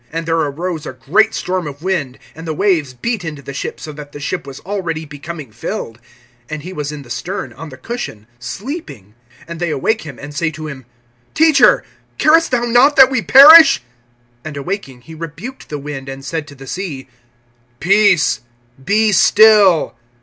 (37)And there arose a great storm of wind, and the waves beat into the ship, so that the ship was already becoming filled. (38)And he was in the stern, on the cushion, sleeping. And they awake him, and say to him: Teacher, carest thou not that we perish? (39)And awaking, he rebuked the wind, and said to the sea: Peace, be still.